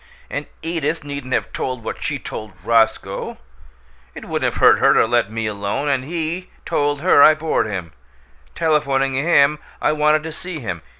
And Edith needn't have told what she told Roscoe it wouldn't have hurt her to let me alone. And HE told her I bored him telephoning him I wanted to see him.